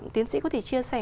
tiến sĩ có thể chia sẻ